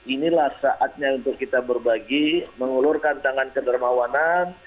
inilah saatnya untuk kita berbagi mengulurkan tangan kedermawanan